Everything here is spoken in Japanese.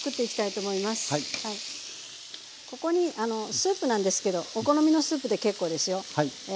ここにあのスープなんですけどお好みのスープで結構ですよ。